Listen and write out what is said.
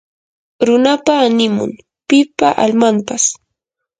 runapa animun; pipa almanpas